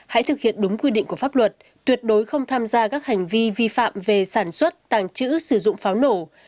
hãy thực hiện đúng quy định của pháp luật tuyệt đối không tham gia các hành vi vi phạm về sản xuất tàng trữ sử dụng pháo nổ